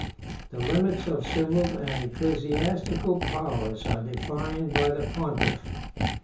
The limits of civil and ecclesiastical powers are defined by the pontiff.